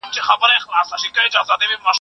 زه له سهاره کتابونه لوستم.